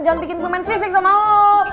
jangan bikin gue main fisik sama lu